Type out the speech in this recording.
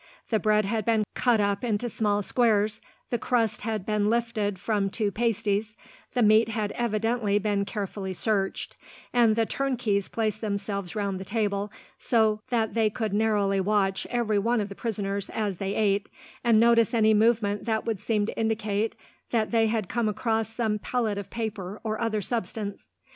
The bread had been cut up into small squares, the crust had been lifted from two pasties, the meat had evidently been carefully searched; and the turnkeys placed themselves round the table so that they could narrowly watch every one of the prisoners, as they ate, and notice any movement that would seem to indicate that they had come across some pellet of paper or other substance.